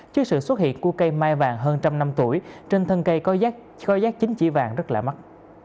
trước sự xuất hiện của cây mai vàng hơn trăm năm tuổi trên thân cây có giác chính chỉ vàng rất là mắt